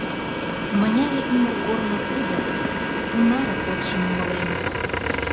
Мыняре ӱмыр корно кудыр, Тунаре кодшым умылем.